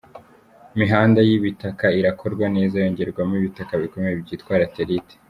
Imihanda y’ibitaka irakorwa neza yongerwamo ibitaka bikomeye byitwa “Raterite”.